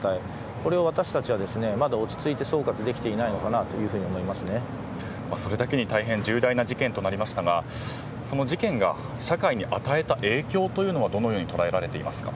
これを私たちはまだ落ち着いて総括できていないのかなとそれだけに大変重大な事件となりましたが事件が社会に与えた影響というのはどのように捉えられていますか？